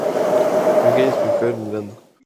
Creen que han pacificado Irlanda.